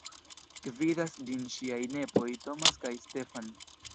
Gvidas ĝin ŝiaj nepoj Thomas kaj Stephan.